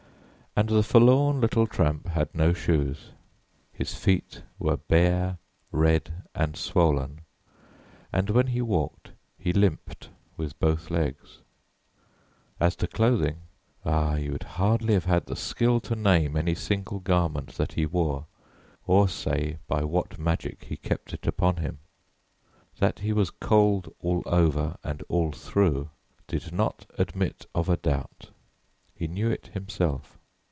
And the forlorn little tramp had no shoes; his feet were bare, red, and swollen, and when he walked he limped with both legs. As to clothing ah, you would hardly have had the skill to name any single garment that he wore, or say by what magic he kept it upon him. That he was cold all over and all through did not admit of a doubt; he knew it himself.